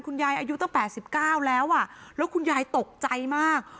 คุณยายอายุต้องแปดสิบเก้าแล้วอ่ะแล้วคุณยายตกใจมาก